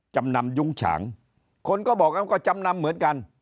จำนำยุ้งฉางคนก็บอกแล้วก็จำนำเหมือนกัน